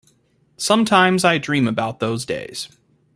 Sometimes I dream about those days.